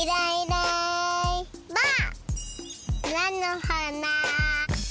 なのはな。